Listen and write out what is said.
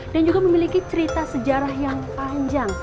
dan juga memiliki cerita sejarah yang panjang